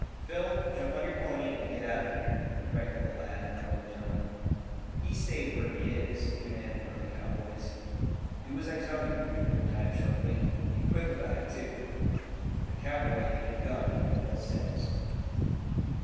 "Phil, jump on your pony and get out of here," directed the lad in a low tone. "He stays where he is," commanded one of the cowboys. "Do as I tell you," retorted Tad sharply. "Be quick about it, too." A cowboy aimed a gun at Phil Simms.